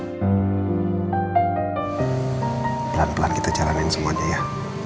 pelan pelan kita jalanin semuanya ya